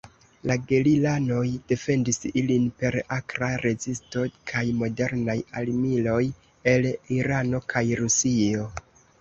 La gerilanoj defendis ilin per akra rezisto kaj modernaj armiloj el Irano kaj Rusio.